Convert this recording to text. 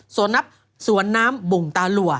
สวนน้ำบุ่งตาหลัว